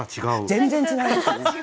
全然違いますね。